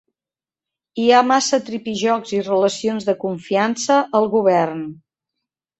Hi ha massa tripijocs i relacions de confiança al govern.